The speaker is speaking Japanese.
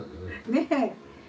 ねえ。